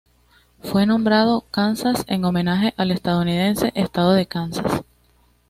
Fue nombrado Kansas en homenaje al estadounidense estado de Kansas.